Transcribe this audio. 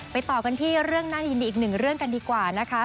ต่อกันที่เรื่องน่ายินดีอีกหนึ่งเรื่องกันดีกว่านะคะ